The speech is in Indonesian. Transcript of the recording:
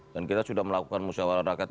dan kita sudah melakukan musyawarah rakat